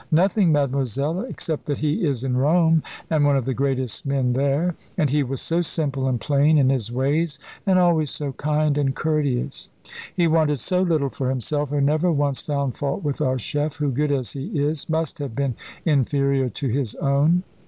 "Nothing, Mademoiselle, except that he is in Rome, and one of the greatest men there. And he was so simple and plain in his ways, and always so kind and courteous. He wanted so little for himself, and never once found fault with our chef, who, good as he is, must have been inferior to his own."